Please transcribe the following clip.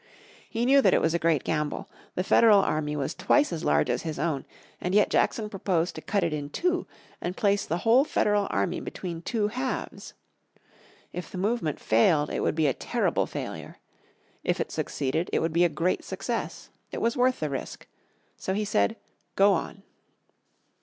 He knew that it was a great gamble. The Federal army was twice as large as his own and yet Jackson proposed to cut it in two, and place the whole Federal army between the two halves. If the movement failed it would be a terrible failure. If it succeeded it would be a great success. It was worth the risk. So he said, "Go on."